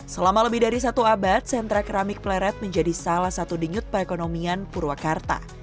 selama lebih dari satu abad sentra keramik pleret menjadi salah satu denyut perekonomian purwakarta